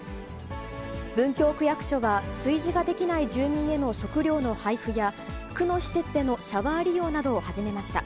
文京区役所は、炊事ができない住民への食料の配布や、区の施設でのシャワー利用などを始めました。